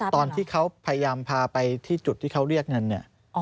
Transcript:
ตอนที่เขาพยายามพาไปที่จุดที่เขาเรียกเงินเนี่ย